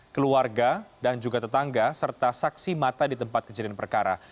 keluarga dan juga tetangga serta saksi mata di tempat kejadian perkara